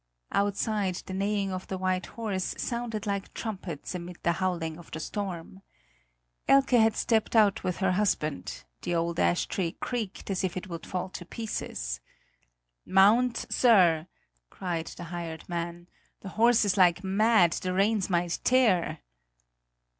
Outside the neighing of the white horse sounded like trumpets amid the howling of the storm. Elke had stepped out with her husband; the old ash tree creaked, as if it would fall to pieces. "Mount, sir!" cried the hired man; "the horse is like mad; the reins might tear!"